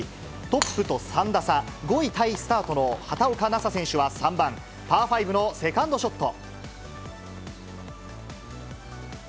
トップと３打差、５位タイスタートの畑岡奈紗選手は３番、パー５のセカンドショット。